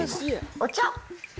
お茶？